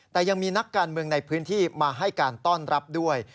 แต่ยังมีนักการเมืองในพื้นที่มาให้การต้อนรับด้วย